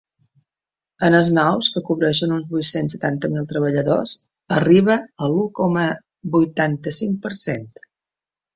En els nous, que cobreixen uns vuit-cents setanta mil treballadors, arriba a l’u coma vuitanta-cinc per cent.